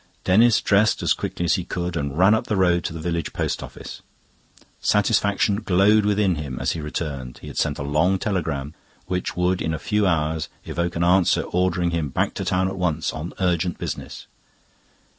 Denis dressed as quickly as he could and ran up the road to the village post office. Satisfaction glowed within him as he returned. He had sent a long telegram, which would in a few hours evoke an answer ordering him back to town at once on urgent business.